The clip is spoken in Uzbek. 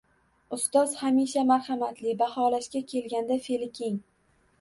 Ustoz hamisha marhamatli, baholashga kelganda fe’li keng.